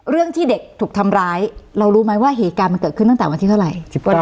เรื่องที่เด็กถูกทำร้ายเรารู้ไหมว่าเหตุการณ์มันเกิดขึ้นตั้งแต่วันที่เท่าไหร่